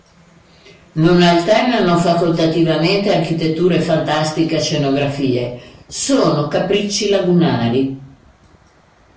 Non alternano facoltativamente architetture fantastiche a scenografie: sono "capricci lagunari".